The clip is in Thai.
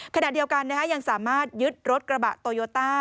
ขณะเดียวกันยังสามารถยึดรถกระบะโตโยต้า